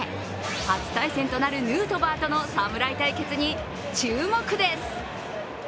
初対戦となるヌートバーとの侍対決に注目です。